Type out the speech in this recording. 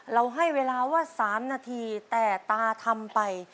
ให้เวลาว่า๓นาทีแต่ตาทำไป